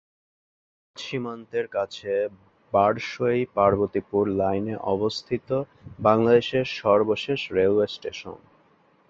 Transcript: এটি ভারত সীমান্তের কাছে বারসই-পার্বতীপুর লাইনে অবস্থিত বাংলাদেশের সর্বশেষ রেলওয়ে স্টেশন।